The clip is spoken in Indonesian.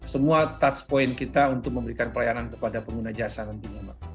semua touch point kita untuk memberikan pelayanan kepada pengguna jasa tentunya